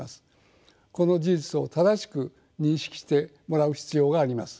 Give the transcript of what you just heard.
この事実を正しく認識してもらう必要があります。